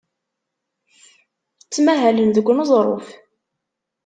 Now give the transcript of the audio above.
Ttmahalen deg uneẓruf.